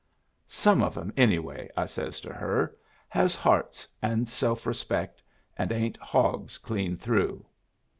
'Some of 'em, anyway,' I says to her, 'has hearts and self respect, and ain't hogs clean through.'